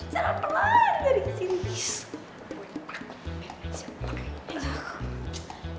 cara pelan dari sini